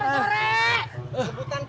kebutan kue be